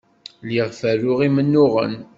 Lliɣ ferruɣ imennuɣen.